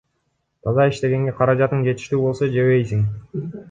Таза иштегенге каражатың жетиштүү болсо, жебейсиң.